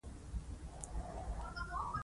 ما ورته وویل: سل په سلو کې پر تا باور لرم.